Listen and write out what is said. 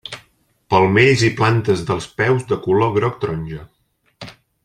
Palmells i plantes dels peus de color groc taronja.